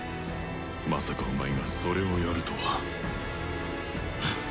まさかお前がそれをやるとは。